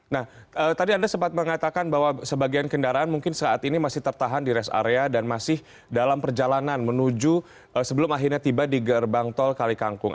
nah tadi anda sempat mengatakan bahwa sebagian kendaraan mungkin saat ini masih tertahan di rest area dan masih dalam perjalanan menuju sebelum akhirnya tiba di gerbang tol kalikangkung